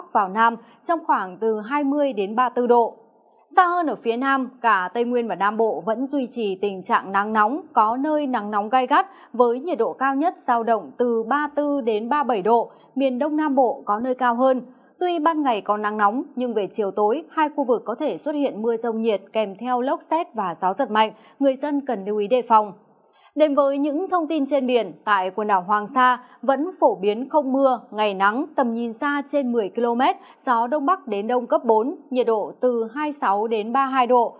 với những thông tin trên biển tại quần đảo hoàng sa vẫn phổ biến không mưa ngày nắng tầm nhìn xa trên một mươi km gió đông bắc đến đông cấp bốn nhiệt độ từ hai mươi sáu ba mươi hai độ